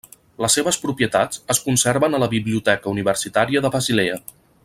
Les seves propietats es conserven a la Biblioteca Universitària de Basilea.